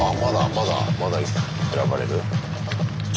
まだ選ばれる？